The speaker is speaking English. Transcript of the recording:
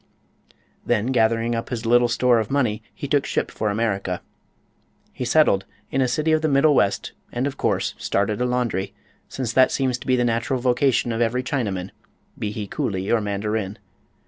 Then, gathering up his little store of money, he took ship for America. He settled in a city of the middle west and of course started a laundry, since that seems to be the natural vocation of every Chinaman, be he coolie or mandarin.